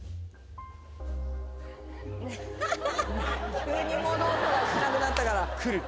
急に物音がしなくなったから。